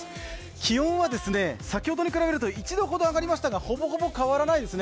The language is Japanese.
気温は先ほどに比べると１度上がりましたがほぼほぼ変わらないですね。